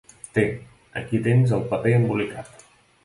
Té, aquí tens el paper embolicat.